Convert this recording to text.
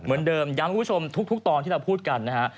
เหมือนเดิมย้ำคุณผู้ชมทุกตอนที่เราพูดกันนะฮะ